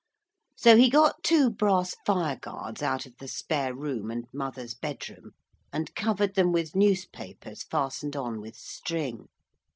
So he got two brass fire guards out of the spare room and mother's bedroom, and covered them with newspapers fastened on with string.